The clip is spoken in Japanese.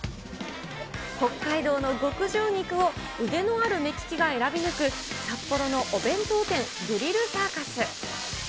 北海道の極上肉を腕のある目利きが選び抜く、札幌のお弁当店、グリルサーカス。